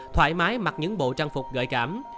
thoải mái mặc những bộ trang phục gợi cảm